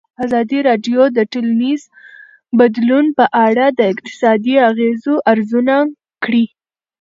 ازادي راډیو د ټولنیز بدلون په اړه د اقتصادي اغېزو ارزونه کړې.